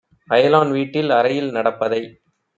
அயலான் வீட்டில் அறையில் நடப்பதை